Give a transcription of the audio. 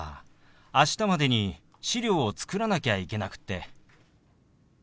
明日までに資料を作らなきゃいけなくって。